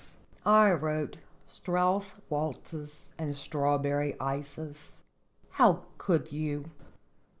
I wrote Strauss waltzes and strawberry ices. How could you?"